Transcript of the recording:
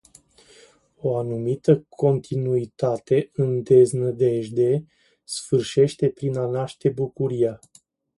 O anumită continuitate în deznădejde sfârșește prin a naște bucuria.